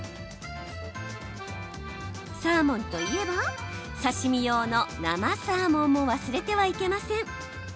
サーモンといえば、刺身用の生サーモンも忘れてはいけません。